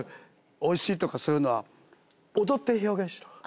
螢「おいしい」とかそういうのは踊って表現しろ。